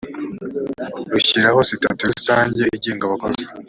rishyiraho sitati rusange igenga abakozi